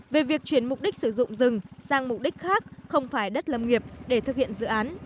về việc chuyển mục đích sử dụng rừng sang mục đích khác không phải đất lâm nghiệp để thực hiện dự án